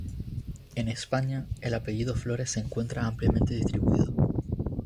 En España, el apellido Flores se encuentra ampliamente distribuido.